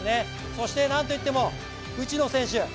そして、なんといっても内野選手。